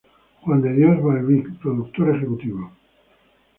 Juan de Dios Balbi: Productor ejecutivo.